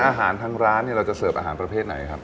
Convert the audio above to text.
อาหารทางร้านเราจะเสิร์ฟอาหารประเภทไหนครับ